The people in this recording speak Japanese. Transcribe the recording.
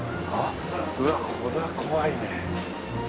うわっこれは怖いね。